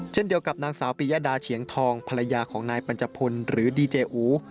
เช่นเดียวกับนางสาวปียดาเฉียงทองภรรยาของนายปัญจพลหรือดีเจอู